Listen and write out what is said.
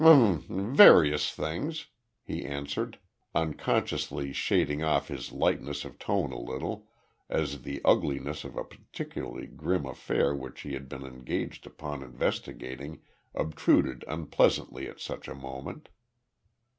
"H'm! Various things," he answered, unconsciously shading off his lightness of tone a little, as the ugliness of a particularly grim affair which he had been engaged upon investigating, obtruded unpleasantly at such a moment.